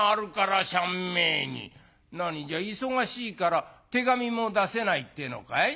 「何じゃあ忙しいから手紙も出せないっていうのかい？